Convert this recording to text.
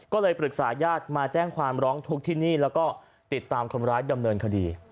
ก็เลยปรึกษาญาติมาแจ้งความร้องทุกข์ที่นี่แล้วก็ติดตามคนร้ายดำเนินคดี